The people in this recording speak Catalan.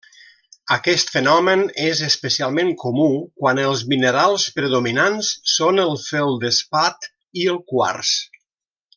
Aquest fenomen és especialment comú quan els minerals predominants són el feldespat i el quars.